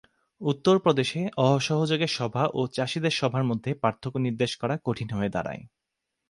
উত্তর প্রদেশে অসহযোগের সভা ও চাষীদের সভার মধ্যে পার্থক্য নির্দেশ করা কঠিন হয়ে দাঁড়ায়।